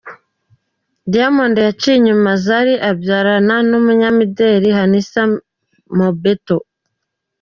Diamond yaciye inyuma Zari abyarana n’umunyamideli Hamisa Mobetto.